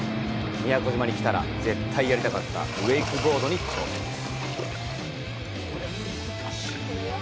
宮古島に来たら絶対やりたかったウェイクボードに挑戦です！